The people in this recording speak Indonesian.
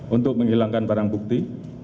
untuk menghilangkan barang bukti